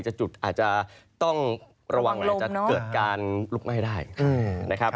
จุดอาจจะต้องระวังอาจจะเกิดการลุกไหม้ได้นะครับ